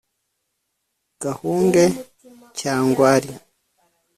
gahunge, cyangwari